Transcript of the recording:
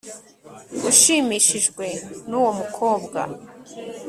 ushimishijwe nuwo mukobwa